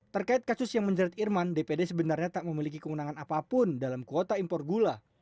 terkait kasus yang menjerat irman dpd sebenarnya tak memiliki keunangan apapun dalam kuota impor gula